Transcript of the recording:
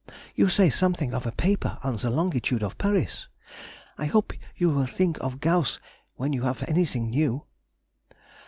You say something of a paper on the longitude of Paris; I hope you will think of Gauss when you have anything new.